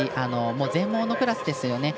全盲のクラスですよね。